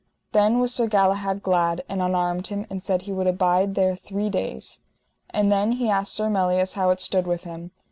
Then was Sir Galahad glad, and unarmed him, and said he would abide there three days. And then he asked Sir Melias how it stood with him.